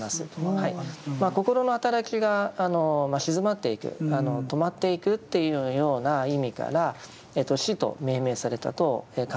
心の働きがまあ静まっていく止まっていくというような意味から「止」と命名されたと考えられます。